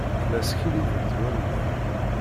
La skiddibent wallen-im.